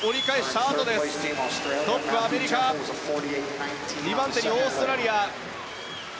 トップはアメリカで２番手にオーストラリア。